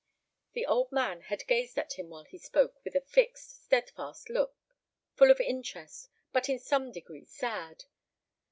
The old man had gazed at him while he spoke with a fixed, steadfast look, full of interest, but in some degree sad.